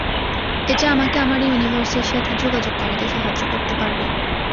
এটা আমাকে আমার ইউনিভার্সের সাথে যোগাযোগ করাতে সাহায্য করতে পারবে।